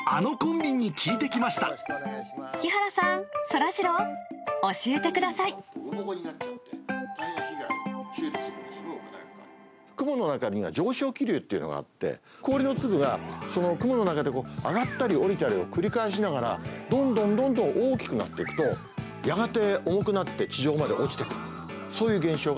木原さん、雲の中には上昇気流っていうのがあって、氷の粒が、その雲の中で上がったり下りたりを繰り返しながら、どんどんどんどん大きくなっていくと、やがて重くなって、地上まで落ちてくる。